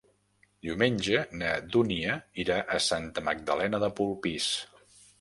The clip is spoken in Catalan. Diumenge na Dúnia irà a Santa Magdalena de Polpís.